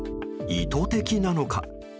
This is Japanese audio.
意図的なのか。